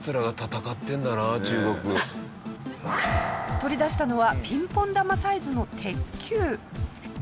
取り出したのはピンポン球サイズの鉄球。